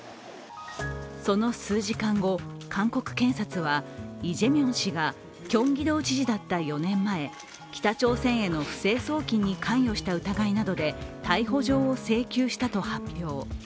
その数時間後、韓国検察はイ・ジェミョン氏がキョンギド知事だった４年前、北朝鮮への不正送金に関与した疑いで逮捕状を請求したと発表。